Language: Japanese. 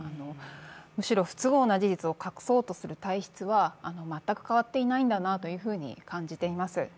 むしろ不都合な事実を隠そうとする体質は全く変わっていないんだなと感じています。